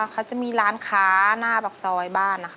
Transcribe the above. เขาจะมีร้านค้าหน้าปากซอยบ้านนะคะ